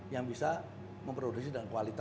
yang bisa memproduksi dan kualitas